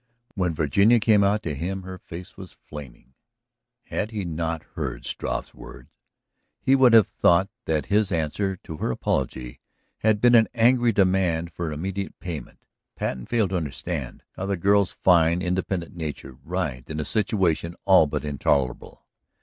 When Virginia came out to him her face was flaming. Had he not beard Struve's words, he would have thought that his answer to her apology had been an angry demand for immediate payment. Patten failed to understand how the girl's fine, independent nature writhed in a situation all but intolerable.